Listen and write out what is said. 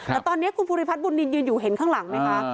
แต่ตอนนี้คุณภูริพัฒนบุญนินยืนอยู่เห็นข้างหลังไหมคะ